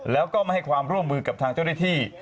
แล้วก็ไม่ให้ความร่วมมือกับทางเจ้าหน้าที่